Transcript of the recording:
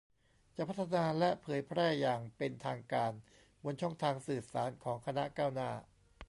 จะพัฒนาและเผยแพร่อย่างเป็นทางการบนช่องทางสื่อสารของคณะก้าวหน้า